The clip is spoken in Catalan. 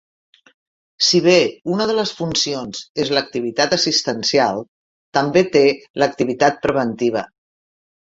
Si bé una de les funcions és l'activitat assistencial, també té l'activitat preventiva.